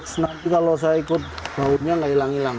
terus nanti kalau saya ikut bautnya gak hilang hilang